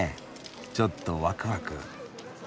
ちょっとワクワク。